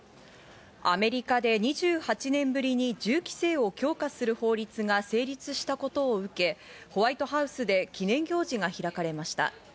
アメリカで２８年ぶりに銃規制を強化する法律が成立したことを受け、ホワイトハウスで記念行事が開かれました。